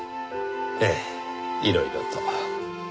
ええいろいろと。